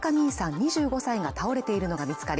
２５歳が倒れているのが見つかり